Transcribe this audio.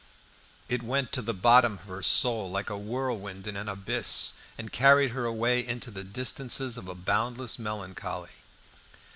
It went to the bottom of her soul, like a whirlwind in an abyss, and carried her away into the distances of a boundless melancholy.